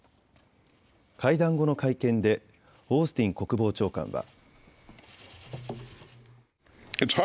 会談後の会見でオースティン国防長官は。